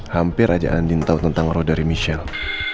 hampir aja andin tahu tentang roh dari michelle